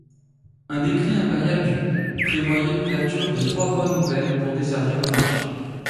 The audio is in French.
Un décret impérial du prévoyait l'ouverture de trois voies nouvelles pour desservir le marché.